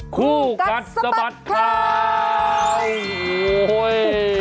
คู่กัดสะบัดค่ะโอ้โฮเฮ่ย